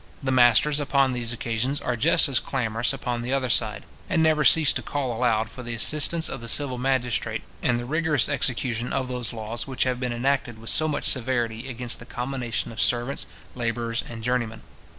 The masters, upon these occasions, are just as clamorous upon the other side, and never cease to call aloud for the assistance of the civil magistrate, and the rigorous execution of those laws which have been enacted with so much severity against the combination of servants, labourers, and journeymen.